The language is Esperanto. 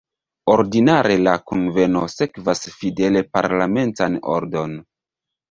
Ordinare la kunveno sekvas fidele parlamentan ordon.